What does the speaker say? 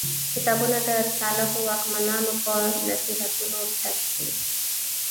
کتابونه د صالحو واکمنانو په نصیحتونو ډک دي.